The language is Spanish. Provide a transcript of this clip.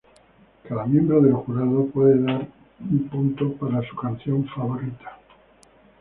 Cada miembro del jurado pudo dar un punto para su canción favorita.